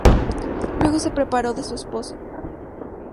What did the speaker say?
Luego se separó de su esposo.